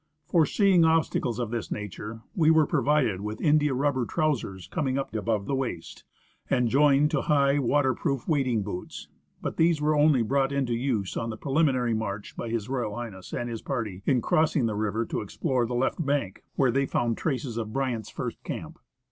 Foreseeing obstacles of this nature, we were provided with india rubber trousers coming up above the waist, and joined to high waterproof wading boots. But these were only brought into use on the preliminary march by H.R.H. and his party in crossing the river to explore the left bank, where they found traces of Bryant's first camp.